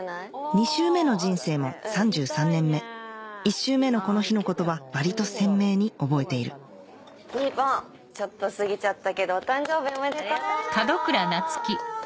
２周目の人生も３３年目１周目のこの日のことは割と鮮明に覚えているみーぽんちょっと過ぎちゃったけどお誕生日おめでとう！